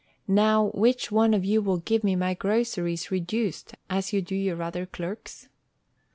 Now which one of you will give me my groceries reduced as you do your other clerks?"